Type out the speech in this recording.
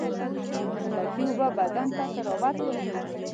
د خټکي اوبه بدن ته طراوت ورکوي.